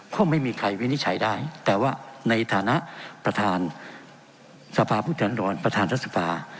ก็ไม่มีใครวินิจฉัยได้แต่ว่าในฐานะประธานสภาพุทธแห่งดรประธานรัฐสภา